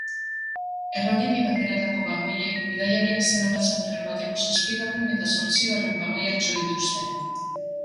Errailetik ateratako bagoiek bidaiariak zeramatzan tren bateko zazpigarren eta zortzigarren bagoiak jo dituzte.